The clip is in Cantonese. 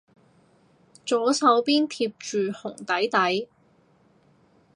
左手邊貼住紅底底